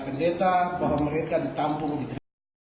ya pendeta bahwa mereka ditampung di